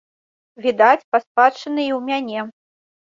Відаць, па спадчыне і ў мяне.